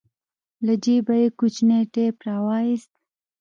له جيبه يې کوچنى ټېپ راوايست.